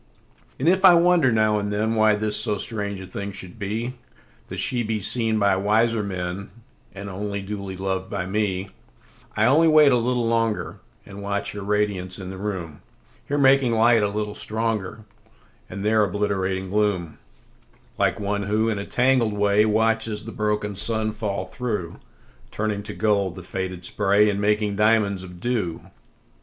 And if I wonder now and thenWhy this so strange a thing should be—That she be seen by wiser menAnd only duly lov'd by me:I only wait a little longer, And watch her radiance in the room; Here making light a little stronger, And there obliterating gloom,(Like one who, in a tangled way, Watches the broken sun fall through, Turning to gold the faded spray, And making diamonds of dew).